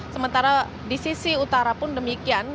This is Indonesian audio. sementara di sisi utara pun demikian